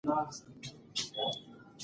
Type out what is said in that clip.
ز : اسلامې حكومت اصلاً انساني حكومت نه دى